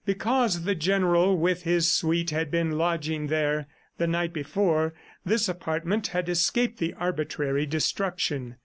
Because the General with his suite had been lodging there the night before, this apartment had escaped the arbitrary destruction.